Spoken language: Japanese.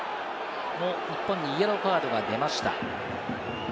日本にイエローカードが出ました。